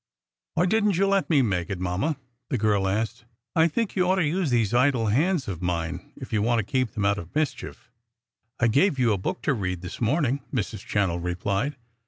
"Why didn't you let me make it, mamma?" the girl asked. "I think you ought to use these idle hands of mine, if you want to keep them out of mischief." "I gave you a book to read this morning," Mrs. Channell replied.